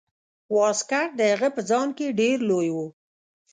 واسکټ د هغه په ځان کې ډیر لوی و.